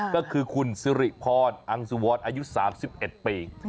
ก็คือคุณสิริพรอังสุวรอายุ๓๑ปี